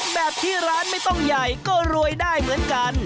แบบที่ร้านไม่ต้องใหญ่ก็รวยได้เหมือนกัน